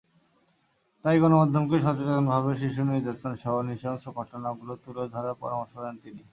তাই গণমাধ্যমকে সচেতনভাবে শিশু নির্যাতনসহ নৃশংস ঘটনাগুলো তুলে ধরার পরামর্শ দেন তিনি।